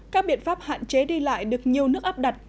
các biện pháp hạn chế đi lại được nhiều nước áp đặt